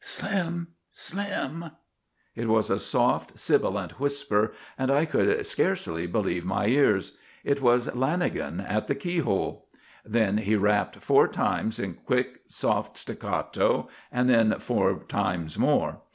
"Slim! Slim!" It was a soft, sibilant whisper, and I could scarcely believe my ears. It was Lanagan at the keyhole. Then he rapped four times in quick, soft staccato, and then four times more.